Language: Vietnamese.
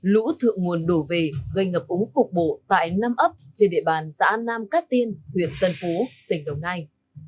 lũ thượng nguồn đổ về gây ngập úng cục bộ tại năm ấp trên địa bàn xã nam cát tiên huyện tân phú tỉnh đồng nai